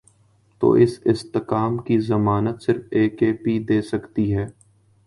تو اس استحکام کی ضمانت صرف اے کے پی دے سکتی ہے۔